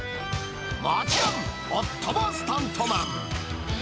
もちろん、夫もスタントマン。